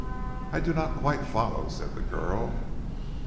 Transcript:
"I do not quite follow," said the girl.